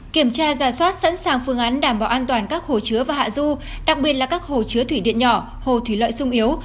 kiểm tra giả soát sẵn sàng phương án đảm bảo an toàn các hồ chứa và hạ du đặc biệt là các hồ chứa thủy điện nhỏ hồ thủy lợi sung yếu